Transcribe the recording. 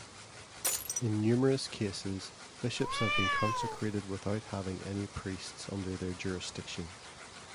In numerous cases, bishops have been consecrated without having any priests under their jurisdiction.